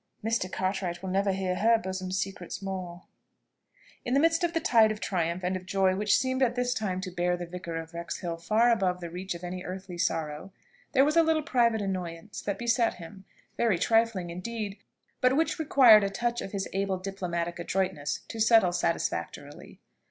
Mr. Cartwright will never hear her bosom secrets more." In the midst of the tide of triumph and of joy which seemed at this time to bear the Vicar of Wrexhill far above the reach of any earthly sorrow, there was a little private annoyance that beset him, very trifling indeed, but which required a touch of his able diplomatic adroitness to settle satisfactorily.